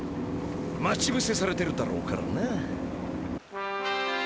待ちぶせされてるだろうからな。